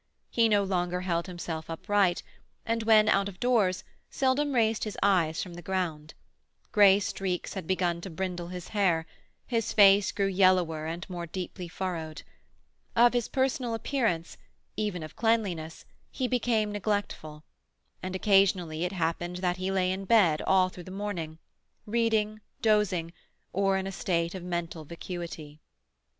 He no longer held himself upright, and when out of doors seldom raised his eyes from the ground; grey streaks had begun to brindle his hair; his face grew yellower and more deeply furrowed. Of his personal appearance, even of cleanliness, he became neglectful, and occasionally it happened that he lay in bed all through the morning, reading, dozing, or in a state of mental vacuity.